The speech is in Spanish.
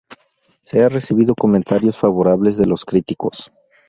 Se ha recibido comentarios favorables de los críticos.